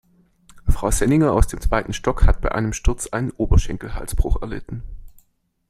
Frau Senninger aus dem zweiten Stock hat bei einem Sturz einen Oberschenkelhalsbruch erlitten.